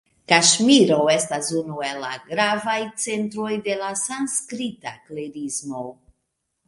Kaŝmiro estis unu el la gravaj centroj de la sanskrita klerismo.